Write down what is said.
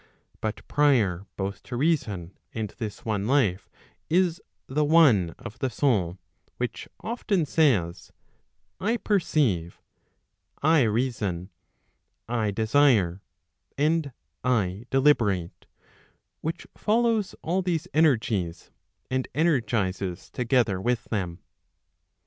But prior both to reason and this one life, is the one of the soul, which often says, I perceive, 1 reason, I desire, and I deliberate, which follows all these energies and energizes together with them.